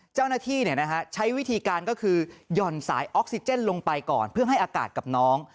เจ้าหน้าที่ใช้วิธีการก็คือหย่อนสายออกซิเจนลงไปก่อนเพื่อให้อากาศกับน้อง